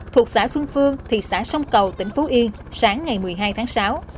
thuộc xã xuân phương thị xã sông cầu tỉnh phú yên sáng ngày một mươi hai tháng sáu